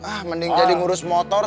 ah mending jadi ngurus motor